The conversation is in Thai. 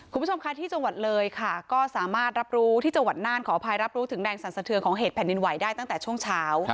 คุณผู้ชมค่ะที่จังหวัดเลยค่ะก็สามารถรับรู้ที่จังหวัดน่านขออภัยรับรู้ถึงแรงสรรสะเทือนของเหตุแผ่นดินไหวได้ตั้งแต่ช่วงเช้า